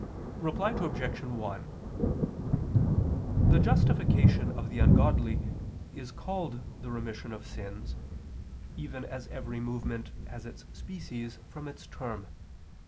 Reply Obj. 1: The justification of the ungodly is called the remission of sins, even as every movement has its species from its term.